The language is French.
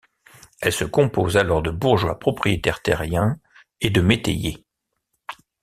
Elle se compose alors de bourgeois, propriétaires terriens et de métayers.